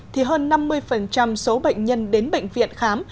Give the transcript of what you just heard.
thì hơn năm mươi số bệnh nhân đến bệnh viện khám